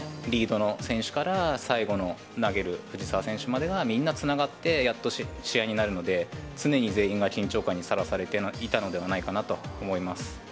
リードの選手から、最後の投げる、藤澤選手までがみんなつながって、やっと試合になるので、常に全員が緊張感にさらされていたのではないかなと思います。